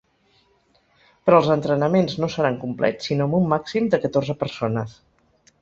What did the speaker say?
Però els entrenaments no seran complets, sinó amb un màxim de catorze persones.